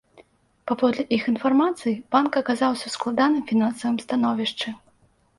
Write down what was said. Паводле іх інфармацыі, банк аказаўся ў складаным фінансавым становішчы.